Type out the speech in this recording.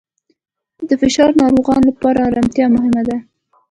د فشار ناروغانو لپاره آرامتیا مهمه ده.